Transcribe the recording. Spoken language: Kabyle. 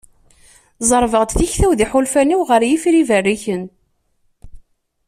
Ẓerrbeɣ-d tikta-w d yiḥulfan-iw ɣer yifri berriken.